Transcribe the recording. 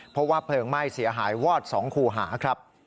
เพราะว่าเพลิงไหม้เสียหายวอด๒คู่หาครับ